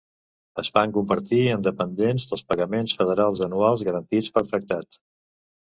Es van convertir en dependents dels pagaments federals anuals garantits per tractat.